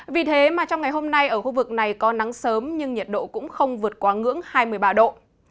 vì thế mà trong ngày hôm nay ở khu vực này có nắng sớm nhưng nhiệt độ cũng không vượt quá ngưỡng hai mươi ba độ